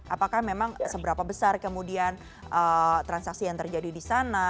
apakah memang seberapa besar kemudian transaksi yang terjadi di sana